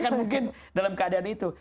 karena kan mungkin dalam keadaan itu